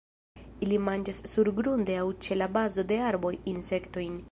Ili manĝas surgrunde aŭ ĉe la bazo de arboj insektojn.